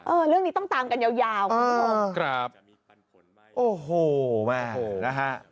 เออเรื่องนี้ต้องตามกันยาวยาวอ่าครับโอ้โหมากนะฮะ